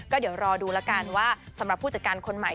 ก็เดี๋ยวรอดูแล้วกันว่าสำหรับผู้จัดการคนใหม่